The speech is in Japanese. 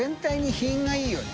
品がいいよね。